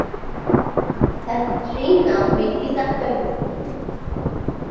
তার স্ত্রীর নাম বিলকিস আখতার হোসেন।